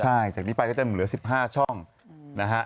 ใช่จากนี้ไปก็จะเหลือ๑๕ช่องนะฮะ